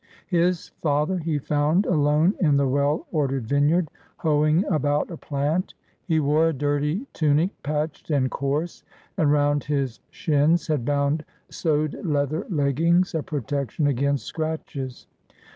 His father he found alone in the well ordered vineyard, hoeing about a plant. He wore a dirty tunic, patched and coarse, and round his shins had bound sewed leather leggings, a protection against scratches.